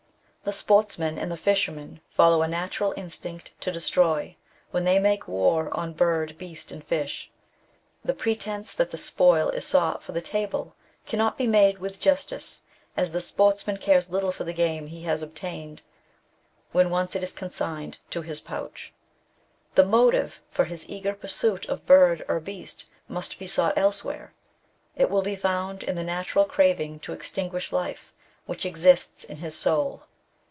The sportsman and the fisherman follow a natural instinct to destroy, when they make war on bird, beast, and fish : the pretence that the spoil is sought for the table cannot be made with justice, as the sportsman cares little for the game he has obtained, when once it is consigned to his pouch. The motive for his eager pursuit of bird or beast must be sought elsewhere ; it will be found in the natural craving to extinguish life, which exists in his soul.